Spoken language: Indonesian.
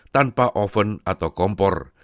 tanpa oven atau kompor